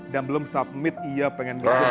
dan belum submit iya pengen beli itu belum